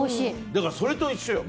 だから、それと一緒よ。